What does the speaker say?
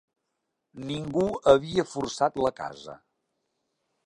Ningú havia forçat la casa.